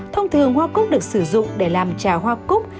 thông thường hoa cúc được sử dụng để làm trà hoa cúc